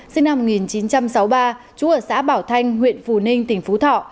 sinh năm một nghìn chín trăm sáu mươi ba trú ở xã bảo thanh huyện phù ninh tỉnh phú thọ